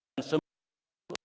dan sembilan juta juta juta juta